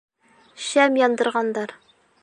— Шәм яндырғандар.